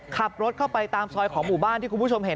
ขับรถเข้าไปตามซอยของหมู่บ้านที่คุณผู้ชมเห็น